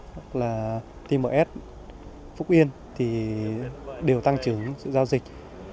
hoặc là tms phúc yên thì đều tăng trưởng sự giao dịch